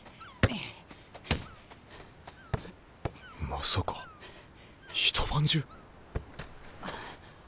まさか一晩中？